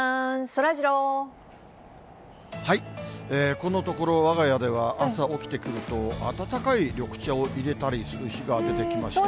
このところわが家では、朝起きてくると、温かい緑茶を入れたりする日が出てきましたね。